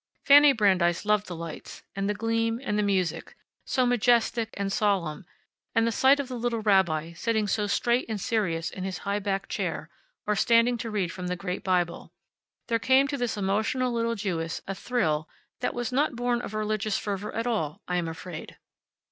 Fanny Brandeis loved the lights, and the gleam, and the music, so majestic, and solemn, and the sight of the little rabbi, sitting so straight and serious in his high backed chair, or standing to read from the great Bible. There came to this emotional little Jewess a thrill that was not born of religious fervor at all, I am afraid.